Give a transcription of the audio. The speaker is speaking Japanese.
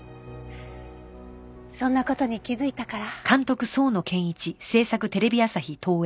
そんな事に気づいたから。